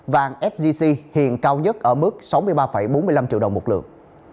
vàng sgc hiện cao nhất ở mức sáu mươi ba bốn mươi năm triệu đồng một lượng